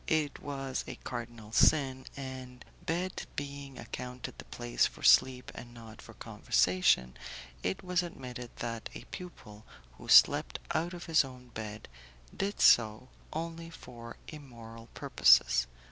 It was a cardinal sin, and, bed being accounted the place for sleep and not for conversation, it was admitted that a pupil who slept out of his own bed, did so only for immoral purposes.